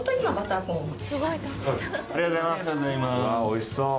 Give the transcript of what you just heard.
おいしそう。